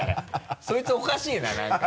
そいつおかしいな何か。